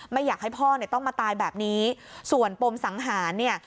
ไม่อยากให้พ่อเนี่ยต้องมาตายแบบนี้ส่วนปมสังหารเนี่ย